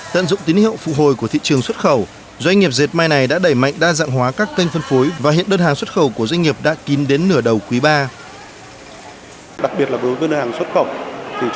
tận dụng tín hiệu phục hồi của thị trường xuất khẩu doanh nghiệp dệt mai này đã đẩy mạnh đa dạng hóa các kênh phân phối và hiện đơn hàng xuất khẩu của doanh nghiệp đã kín đến nửa đầu quý iii